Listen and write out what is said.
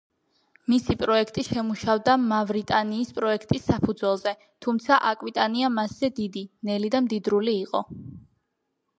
მისი პროექტი შემუშავდა „მავრიტანიის“ პროექტის საფუძველზე, თუმცა „აკვიტანია“ მასზე დიდი, ნელი და მდიდრული იყო.